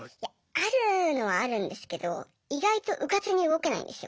あるのはあるんですけど意外とうかつに動けないんですよ。